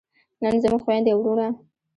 نن زموږ خویندې او وروڼه